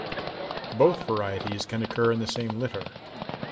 Both varieties can occur in the same litter.